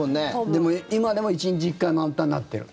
でも今でも１日１回は満タンになってる。